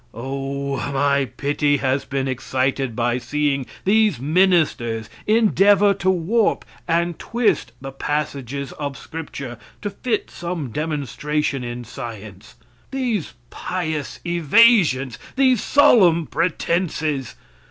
O! my pity has been excited by seeing these ministers endeavor to warp and twist the passages of scripture to fit some demonstration in science. These pious evasions! These solemn pretenses!